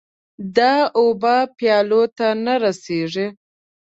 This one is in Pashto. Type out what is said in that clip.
د اوبو پیالو ته نه رسيږې